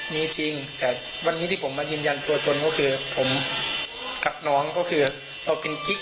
มีจริงแต่วันนี้ที่ผมมายืนยันตัวตนก็คือผมกับน้องก็คือเราเป็นกิ๊ก